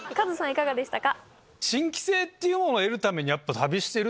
いかがでしたか？